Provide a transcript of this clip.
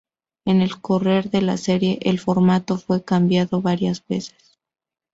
En el correr de la serie, el formato fue cambiado varias veces.